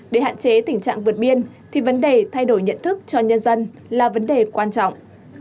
để hạn chế tình trạng vượt biên thì vấn đề thay đổi nhận thức cho nhân dân là vấn đề quan trọng